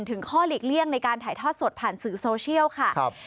ถึงข้อหลีกเลี่ยงในการถ่ายทอดสดผ่านสื่อโซเชียลค่ะ